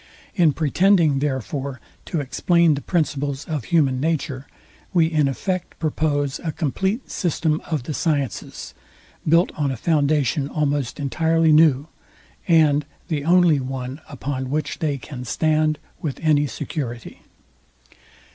In pretending, therefore, to explain the principles of human nature, we in effect propose a compleat system of the sciences, built on a foundation almost entirely new, and the only one upon which they can stand with any security.